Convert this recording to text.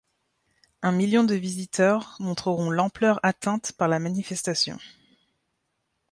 Un million de visiteurs montreront l’ampleur atteinte par la manifestation.